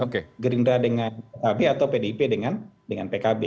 gerindra dengan pkb atau pdip dengan pkb